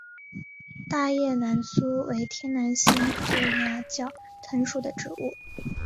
大叶南苏为天南星科崖角藤属的植物。